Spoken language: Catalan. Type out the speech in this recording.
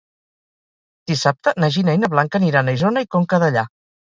Dissabte na Gina i na Blanca aniran a Isona i Conca Dellà.